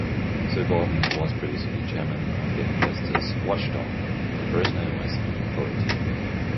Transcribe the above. Sir Gordon was previously chairman of the investors' "watchdog", the Personal Investment Authority.